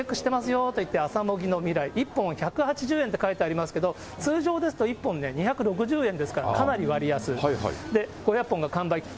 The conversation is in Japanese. よっていって、朝もぎ味来、１本は１８０円って書いてありますけど、通常ですと、１本２６０円ですから、かなり割安、５００本が完売と。